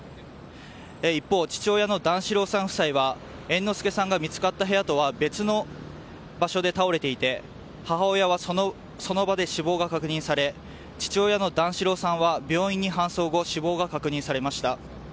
一方、父親の段四郎さん夫妻は猿之助さんが見つかった部屋とは別の場所で倒れていて母親はその場で死亡が確認され父親の段四郎さんは病院に搬送後死亡が確認されました。